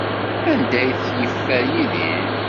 Anda ay t-yeffer Yidir?